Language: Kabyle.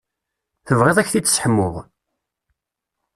Tebɣiḍ ad k-t-id-sseḥmuɣ?